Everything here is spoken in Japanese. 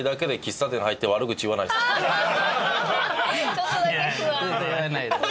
ちょっとだけ不安。